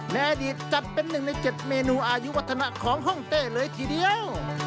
ในอดีตจัดเป็น๑ใน๗เมนูอายุวัฒนะของห้องเต้เลยทีเดียว